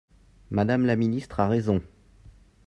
Madame la ministre a raison